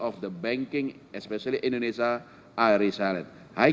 kebanyakan bank terutama di indonesia berhasil